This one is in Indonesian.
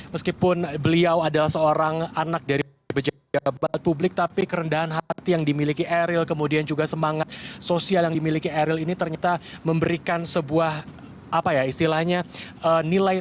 meskipun beliau adalah seorang anak dari pejabat publik tapi kerendahan hati yang dimiliki eril kemudian juga semangat sosial yang dimiliki eril ini ternyata memberikan sebuah apa ya istilahnya nilai